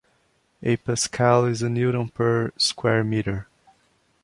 A pascal is a newton per square meter.